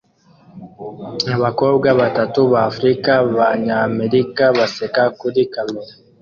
abakobwa batatu ba africa-banyamerika baseka kuri kamera